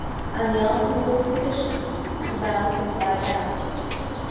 and the answer was all sufficient to rouse the entire garrison.